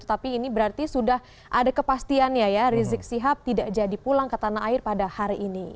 tapi ini berarti sudah ada kepastiannya ya rizik sihab tidak jadi pulang ke tanah air pada hari ini